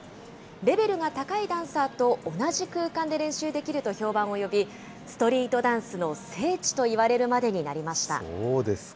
レベルが高いダンサーと同じ空間で練習できると評判を呼び、ストリートダンスの聖地といわれるまでになりました。